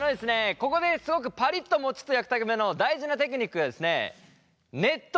ここですごくパリッともちっと焼くための大事なテクニックがですね熱湯？